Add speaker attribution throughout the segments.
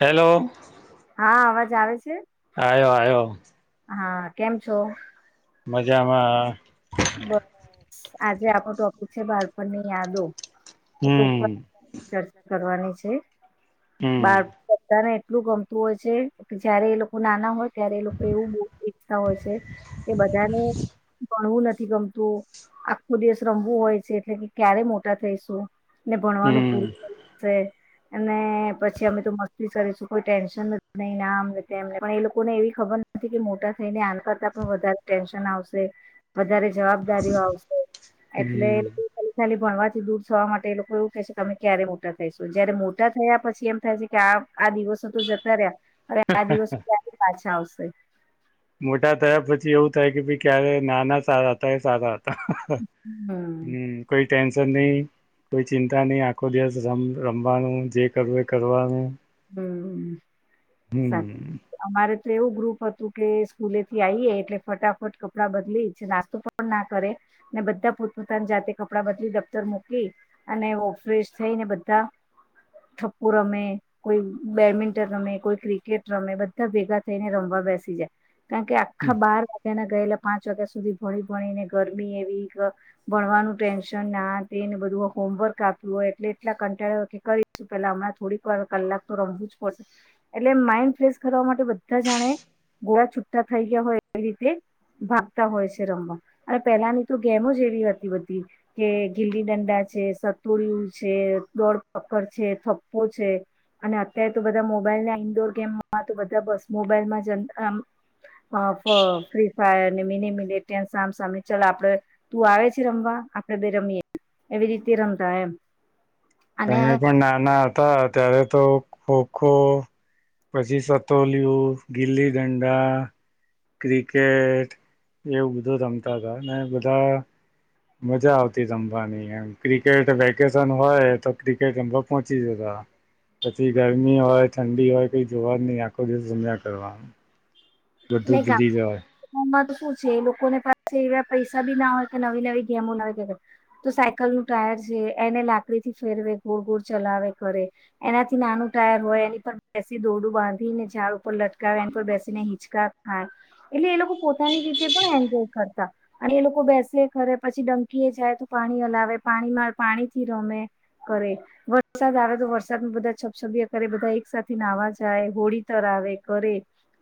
Speaker 1: Hello
Speaker 2: હા અવાજ આવે છે.
Speaker 1: આયો આયો
Speaker 2: હા કેમ છો?
Speaker 1: મજામાં.
Speaker 2: બસ આજે આપો ટોપિક છે, બાળપણની યાદો એ ઉપર
Speaker 1: હમ
Speaker 2: ચર્ચા કરવાની છે,
Speaker 1: હમ
Speaker 2: બાળકો બધાને- એટલું ગમતું હોય છે, જયારે એ લોકો નાના હોય ત્યારે એ લોકો એવું બહ ઇચ્છતા હોય છે કે બધાને ભણવું નથી. ગમતું આખું દેશ રમવું હોય છે એટલે કે ક્યારે મોટા થઈશું ને ભણવાનું પૂરું
Speaker 1: હમ
Speaker 2: થ છે. અને પછી અમે તો મસ્તી કરીશું કોઈ ટેન્શન નથી નઈ ના અ એમને પણ એ લોકો ને એવી ખબર કે મોટા થઈને આન કરતા પણ વધારે ટેન્શન આવશે. વધારે જવાબદારીઓ આવશે,
Speaker 1: હમ
Speaker 2: એટલે ભણવાથી દૂર થવા માટે એ લોકો એવું કે છે કે તમે ક્યારે મોટા થઈશો જયારે મોટા થયા પછી એમ થાય છે કે આ આ દિવસો તો જતા રહ્યા, અરે આ દિવસો ત્યારે પાછા આવશે.
Speaker 1: મોટા થયા પછી એવું થાય કે ભાઈ ક્યારે નાના સારા હતા એ સારા હતા. હમ કોઈ ટેન્શ નહીં કોઈ ચિંતા નહીં આખો દિવસ રમ રમવાનું જે કરવું એ કરવાનું.
Speaker 2: હમ, સાચ
Speaker 1: હમ
Speaker 2: અમારે તો એવું ગ્રુપ હતું કે સ્કૂલે થી આવીએ એટલે ફટાફટ કપડાં બદલી છે નાસ્તો પણ ના કરે. ને બધા પોતપોતાની જાતે કપડા બદલી દફ્તર મોકી, અને ફ્રેશ થઈને બધા થઠપ્પુ રમે કોઈ બેડમિન્ટન રમે કોઈ ક્રિકેટ રમે બધા ભેગા થઈને રમવા બેસી જાય. કારણ કે આખા બહાર વાગના ગયેલા પાંચ વાગ્યા સુધી ભણી ભણી ને ગરમી એવી, ભણવાનું ટેન્શન ના તેને બ હોમવર્ક આપ્યું હોય એટલે એટલા કંટાળ્યો કે કરીશું પેલા હણાં થોડીક વાર કલાક તો રમવું જ પડશે, એટલે માઈન્ડ ફ્રેશ કરવા માટે બધા જાણે ગોળા છુટટા થઈ ગયા હોય એવી રીતે ભાગતા હોય છે રમવા, અને પેલાની તો ગેમો જ એવી હતી બધી, કે ગીલી ડંડા છે સતુડિયું છે દોડપકડ છે થપ્પો છે. અને અત્યારે તો બધા મોબાઈલ ઇન્ડોર ગેમમાં તો બધા બસ મોબાઈલમાં જતામ અ ફ્રી ફાયરને મિની મિનીન સામ સામી ચાલ આપડે તું આવે છે રમવા. આપણે બે રમીએ એવી રીતે રમતા એમ. અને
Speaker 1: તમે પણ નાના હતા ત્યારે તો ખોખો, પછી સતોલિયું, ગીલી દંડા. ક્રિકેટ એવું બધું રમતા હતા બધા મજા આવતી રમવાનીમ ક્રિકેટ વેકેશન હોય તો ક્રિકેટ રમવા પહોંચી જતા. પછી ગરમી હોય ઠંડી હોય કઈ જોવા જ નહી આખો દિવસ જમ્યા કરવાનું. બધું
Speaker 2: ને
Speaker 1: ભૂલી જય.
Speaker 2: માં તો શું છે લોકોને પાસે એવા પૈસા બી ના હોય કે નવી નવી ગેમો લાવ કે તો, સાયકલ નું ટાયર છે એને લાકડીથી ફેરવે ગોળ ગોળ ચલાવે કરે, એનાથી નાનું ટાયર હોય એની પર બેસી દોરડું બાંધીને ઝાડ ઉપર લટકા એના પર બેસીને હિંચકા હા, એટલે એ લોકો પોતાની રીતે પણ એન્જોય કરતા, અને એ લોકો બેસે ખરે પછી ડમકી પ એ જાય તો પાણી હલાવે પાણીમાં પાણી થી રમે. કરે, વરસાદ આવે તો વરસાદમાં બધા છપછબિયા કરે બધા એક સાથે નહવા જાય હોળી તરા આવે કરે,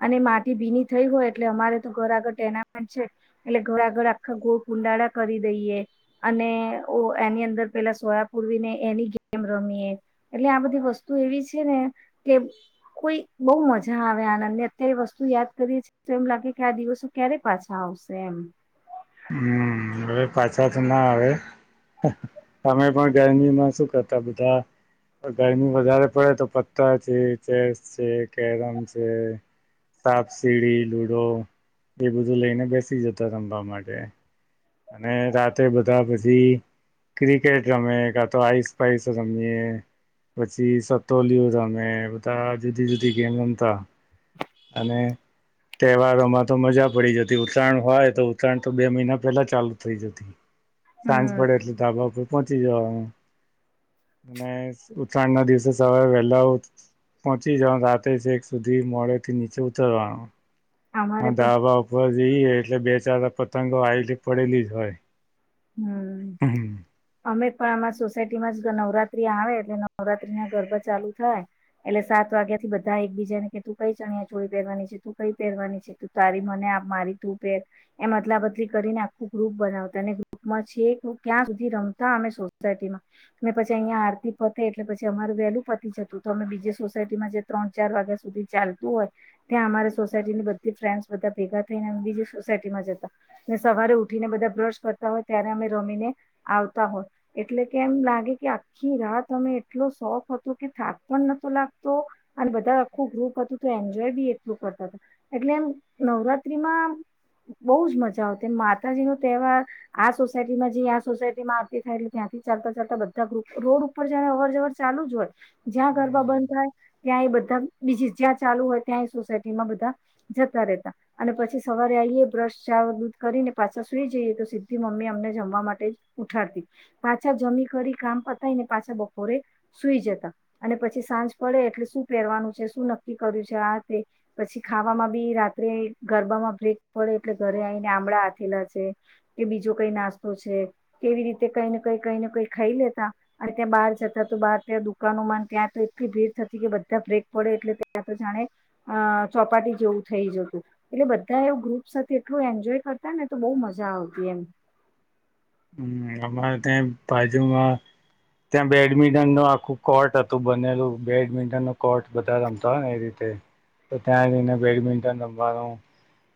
Speaker 2: અને માટી બીની થઈ હોય એટલે અમારે તો ઘર આગળ તેનામાંન છે, એટલે ઘર આગળ આખા ગો કુંડાળ કરી દઈએ. અને એની અંદર પેલા સોયા પૂરવીને એની ગેમ રમીએ, એટલે આ બધી વસ્તુ એવી છે ને, કે કોઈ બહુ મજા આવે આનંદ ને અત્યારે વસ્તુ યાદ કરીએએ તો એમ લાગે કે આ દિવસો ક્યારે પાછા આવશે એમ.
Speaker 1: હમ હવે પાછા ના આવે, તમે પણ ગરમીમાં શું કરતા બધા ગરમી વધારે પડે તો પથર છે ચેસ છે કેરમ છે. સાપ સીડી લુડો, એ બધું લઈને બેસી જતો રમવા માટે. અને રાતે બધા પછી ક્રિકેટ રમે કા તો આઈસ પાઇસ રમજીએ. પછી સતો લું તમે બધા જુદી જુદી ગેમ ગમતા. અને તહેવારોમાં તો મજા પડી જતી ઉત્તરાયણ હોય તો ઉત્તરાયણ તો બે મહિના પેલા ચાલુ થઈ જતી, સાયન્સ
Speaker 2: હમ
Speaker 1: પડે એટલે ધાબા ઉપર પહોચી જવા. અને ઉત્રાણ ના દિવસે સવારે વહેલા પહોંચી જવાનું રાતે છે એક સુધી મોડે થી નીચે ઉતરવાનું. હ
Speaker 2: અમારે પણ
Speaker 1: ધાબા ઉપર જઈ, એટલે બે ચાર પતંગો આવેલી પડેલી જ હોય.
Speaker 2: હમ [inaudible] અમે પણ અમાર સોસાયટીમાં જ નવરાત્રી આવે, એટલે નવરાત્રી ના ગરબા ચાલુ થાય . એટલે સાત વાગ્યા થી બધા એકબીજા ને કે તું કઈ ચણિયા છોડી પહેરવાની છે? તું કઈ પહેરવાની છે?. તું તારી મને મારી તૂં પેર એમ અદલા બદલી કરીને, આખું ગ્રુપ બનાવતા. માં છે કે ક્યાં સુધી રમતા અમે સોસાયટી માં, ને પછી અહિયાં આરતી પતે એટલે પછી અમાર વેલું પતી જતું મે બીજી સોસાયટીમાં ત્રણ ચાર વાગ્યા સુધી ચાલતું હોય, ત્યાં અમારે સોસાયટી બધી ફન્ડ બધા ભેગા થઈને બીજી સોસાયટીમાં જતા, ને સવારે ઉઠીને બધા બ્રશ હોય ત્યારે અમે રમીને આવતા હોય. એટલે કે એમ લાગે કે આખી રાત અમે એટલો શોખ હતો, કે થાક પણ નતો લાગતો અને બધા આખું ગ્રુપ હતું, તો એન્જોય બી એટલું કરતા હતા. એટલે એમ નવરાત્રીમાં બહુજ મજા આવતી. માતાજી નો તહેવાર આ સોસાયટીમાં જઈએ, આ સોસાયટીમાં આરતી થાય, એટલે ત્યાંથી ચાલતા ચાલતા બધા ગ્રુપ રોડ ઉપર જાણે અવર જવર ચા હોય જ્યાં ગરબા બંધ થાય, ત્યાં એ બધા બીજી જ્યાં ચાલુ હોય, ત્યાં સોસાયટીમાં બધા જતા રતા અને પછી સવારે આઈએ, બ્રશ, ચા, દૂધ કરીને પાછા સુઈ જઈએ તો સીધ મમ્મી અમને જમવા માટે ઉઠાતી. પાછા જમી કરી કામ પતાયને પાછા બપોરે સુઈ જતા. અને પછી સાંજ પડે એટલે શું પહેરવાનું છે? શું નક્કી કર્યું છે? આતે પછી ખાવામાં બી રાત્રે ગરબામાં બ્રેક પડે, એટલે ઘરે આવીઈને આંબળા આથેલા છે. કે બીજો કઈ નાસ્તો છે, કેવી રીતે કઈ કઈ કઈ ને કઈ ખાઈ લેતા, અને ત્યાં બહાર જતા બાર ત્યાં દુકાનોમાં ત્યાં તો એટલી ભીડ થતી, કે બધા બ્રેક પડે એટલે ત્યાં તો જાણે ચોપાટી જેવું થઇ જતું. એટલે બધા એવુ બ્રેકમા એટલે ઇન્જોય કરતા ને તો બહૂ મજા આવતી એમ
Speaker 1: હમણા ત્યાં બાજુમાં ત્યાં બેડમિન્ટન નું આખું કોર્ટ હતું બનેલું. બેડમિન્ટન નો કોર્ટ બધા રમતા હોય ને એ રી તે તો ત્યાં જઈને બેડમિન્ટન રમવાનું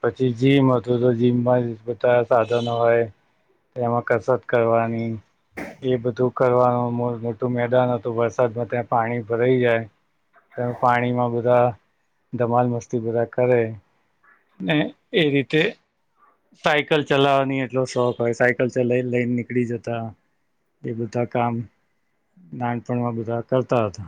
Speaker 1: પછી જીમ હતું. તો જીમમાં બધા સાધનો હોય તેમાં કસરત કરવાની એ બધું કરવાનું મો મોટું મેદાન હતું. વરસાદમાં ત્યાં પાણી ભરાઈ જાય તમે પાણી માં બધા ધમાલ મસ્તી બધા કરે ને, એ રીતે સાયકલ ચલાવવાની એટલો શોખ હોય, સાયકલ ચલાઈ લઈ નીકળી જતા એ બધા કામ, નાનપણમાં બધા કરતા હતા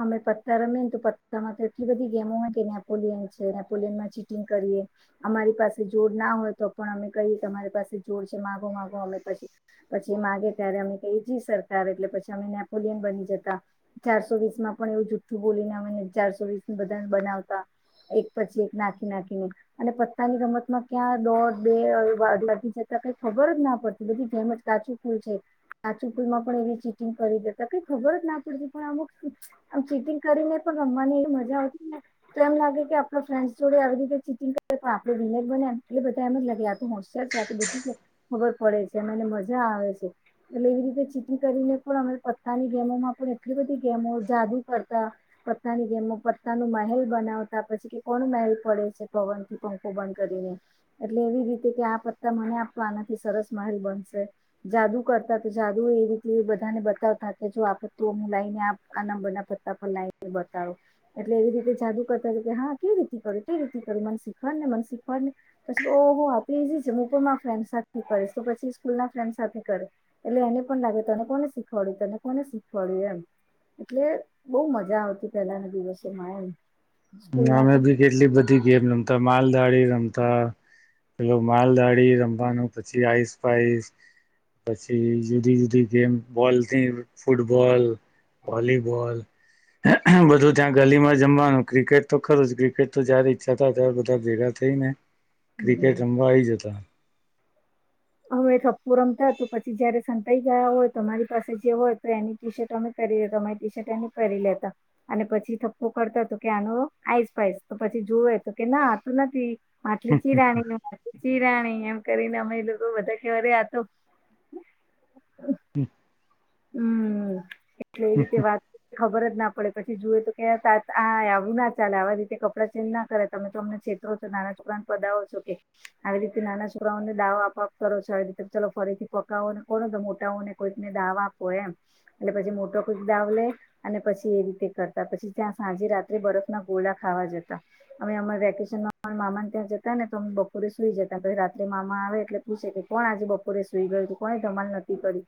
Speaker 2: અમે પત્તા રમીએ ને તો પતામાં તો એટલી બધી ગેમો હોય કે નેપોલિયન છે. નેપોલિયનમાં ચીટિંગ કરીએ અમારી પાસે જોડ ના હોય તો પણ અમે કહીએ કે અમારી પાસે જોડ છે, માગો માગો અમે પછી પછી એ માગે ત્યારે અમે કહીએ જી સરકાર, એટલે પછી અમે નેપોલિયન બની જતા ચારસો વીસ માં પણ એવું જુઠુ બોલીને, અમને ચારસો વીસ બધાને બનાવતા એક પછી એક નાખી નાખીને અને પત્તાની રમતમાં ક્યાં દોઢ બે વાગી જતા કઈ ખબર જ ના પડતી. બધી જેમ જ કાચું ફૂલ છે, કાચું ફુલ માં પણ એવી ચીટિંગ કરી દેતા કે ખબર જ ના પડતી પણ અમુક આમ ચીટિંગ કરીને પણ રમવાની એવી મજા આવતી ને, તો એમ લાગે કે આપણા ફ્રેન્ડસ જોડે આવી રીતે ચીટીંગ કરીએ તો, આપણે વિનર બને એટલે બધા એમ જ લાગે આ તો હોશિયાર છે. આ તો બધી જ ખબર પડે છે. પને મજા આવે છે. એટલે એવી રીતે ચીટીગ કરીને પણ, અમે પત્તાની ગેમોમાં પણ એટલી બધી ગેમો જાદુ કરતા, પત્તાની ગેમો પત્તા નુ મહેલ બનાવતા, પછી કે કોનું મહેલ પડે પવન થી પંખો બંધ કરીને એટલે એવી રીતે કે, આ પત્તા મને આપ આનાથી સરસ મહેલ બનસે જાદુ કરતા, તો જાદુ એ રીતે બધાને બતાવતા કે જો આ પત્તું લઈને આ નંબર ના પત્તા પર લાઈને બતાવો એટલે, એવી રીતે જાદુ કરતા હતા. કે હા કેવી રીતે કર કેવી રીતે મન શીખવાડ ને મને શીખવાડ ને પછી ઓહ આટલું ઈજી છે. હું પણ મારા ફ્રેન્ડ સાથે કરીશ. તો પછી સ્કૂલ ના ફ્રેન્ડ સાથે કરે, એટલે એને પણ લાગે તને કોને શીખવાડ્યું તને કોને શીખવાડ્યું? એમ એટલે બોવ મજા આવતી. પેલાના દિવસેમાં એમ સ્કૂલ ના
Speaker 1: અમે બી કેટલી બધી ગેમ રમતા માલધાારી રમતા પેલો માલદાળી રમવાનું પછી, આઈસ પાાઈસ પછી જુદી જુદી ગેમ બોલ થી ફૂટબોલ વોલીબોલ બધું ત્યાં ગલી માં જમવાનું ક્રિકેટ તો ખરું જ ક્રિકેટ તો જયારે ઈચ્છા થાય ત્યારે બધા ભેગા થઈ ને ક્રિકેટ રમવા આવી જતા
Speaker 2: હવે સપુ રમતા પછી જયારે સન કઈ ગયા હોય તો મારી પાસે જે હોય તો એની ટી શર્ટ અમે પેરી લેતા અમારી ટી શર્ટ એને પેરી લેતા અને પછી થપ્પો કરતા હતો કે આનો આઈસ પાાઈસ તો પછી જોવે તો કે ના તો નથી માટલી ચીરાણી માટલી ચીરાણી એમ કરીને અમે લો કો બધા ક્યારે આ તો
Speaker 1: હમ
Speaker 2: હમ એટલે એ રીતે વાત ખબર જ ના પડે પછી જુએ તો કે કેહે તા આવું ના ચાલે આવા રીતે કપડાં ચેન્જ ના કરે તમે તો અમને છે તરો નાના છોકરા ને પદાવો છો કે આવી રીતે નાના છોકરાઓને દાવો આપ આપ કરો છો આવી રીતે ચલો ફરી થી પકાવો ને કોણ મોટાઓ ને કોઈકને દાવા કો એમ એટલે પછી મોટો કોઈક દાવ લે અને પછી એ રીતે કરતા પછી ત્યાં સાંજે રાત્રે બરો ગોડા ખાવા જતા અમે અમારે વેકેશન મામાન ત્યાં જતા ને તોમે બપોરે સુઈ જતા રાત્રે મામા આવે એટલે પૂછે કે કોણ આજે બપોરે સુઈ ગયું તું કોને ધમાલ નથી કરી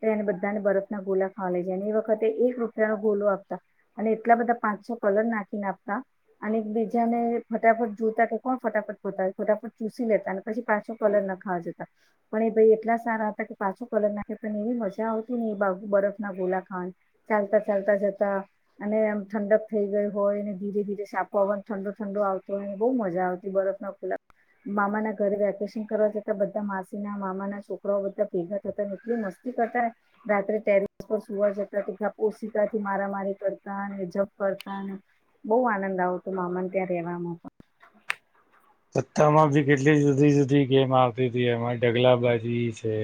Speaker 2: તો એને બ ધા બરફ ના ગોલા ખાવા લય જાય અને એ વખતે એક રૂપિયા નો ગોલો આપતા અને એટલા બધા પાંચસો કલર ના નાપતા અને એક બીજાને ફટાફટ જોતા કે કોણ ફટાફટ ફતા ફટાફટ ચૂસી લેતા અને પછી પાછો કલર ખાવા પણ એ ભય એટલા સારા હતા કે પાછો કલર નાખે પણ એવી મજા આવતી ન બા બરફ ના ગોલા ખાંડ ચાલતા ચાલતા જતા અને એમ ઠંડક થઈ ગઈ હોત. ને ધીરે ધીરે સાપ ઠંડો ઠંડો આવતો હોયને બઉ મજા આવતી બરફ ના ખુલા મામા ના ઘરે વેકેશન કરવા જતા બધા માસી ના મામા ના છોકરાઓ બધા ભેગા થતા ને એટલી મસ્ત કથ રાત્રે ટેરેસ પર સુવા જતા સિકકાથી મારામારી કરતા જપ કરતા બઉ આનંદ આવતો મામાન ત્યાં રહેવામાં.
Speaker 1: [inaudible] સત્તા માં બી કેટલી જુદી જુદી ગેમ આવતી હતી એમાં ઢગલા બાજી છે.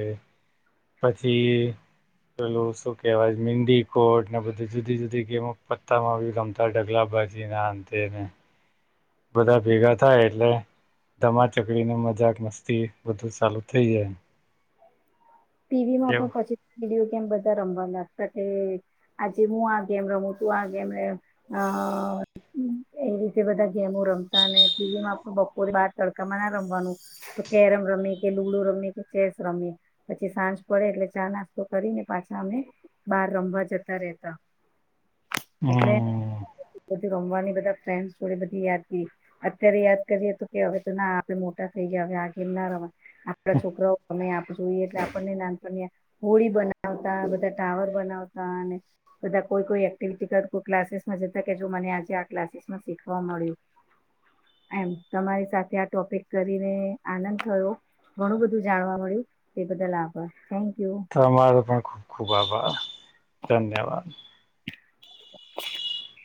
Speaker 1: પછી પેલું શું કેવાય મિંડી કોટ ને બધ જુદી જુદી ગેમ પત્તામાં રમતા ઢગલા બીજી નાને બધા ભેગા થાય એટલે ધમા ચકડીને મજાક મસ્તી બધું ચાલુ થઈ જાય.
Speaker 2: ટીવી માં પણ
Speaker 1: એવું
Speaker 2: પછી વિડીયો કેમ બધા રમવા લાગતા કે આજે હું આ ગેમ રમું તું આ ગેમ રમ અ એ રીતે બધા ગેમો રમતા ને ટીવીમાં બપોરે બાર તડકામાં ના રમવાનું. તો કેરમ રમે કે લુડુ રમે કે ચેસ રમયે. પછી સાંજ પડે એટલે ચા નાસ્તો કરીને પાછા અમે બહાર રમવા જતા રેતા.
Speaker 1: હમ.
Speaker 2: ધી રમવાની બધા ફ્રેન્ડસ જોડે બધી યાદ અત્યારે યાદ કરીએ તો કે હવે તો ના આપ થઈ ગયા આ ગેમ ના રમો આપડા છોકરાઓ અમે જો એટલે આપણને નાનપણે હોળી બનાવતા બધા ટાવર બનાવતા બધા કો કે કોઈ એક્ટિવિટી કર ક્લાસીસમાં જતા કે જો મને આજે આ ક્લાસીસમાં શીખવા મળ્યું. એમ તમારી સાથે આ ટોપિક કરીને આનંદ થયો. ઘણું બધું જાણવા મળ્યું તે બદલ આભાર થેન્કુ.
Speaker 1: તમારો પણ ખુબ ખુબ આભાર ધન્યવાદ.
Speaker 2: [inaudible]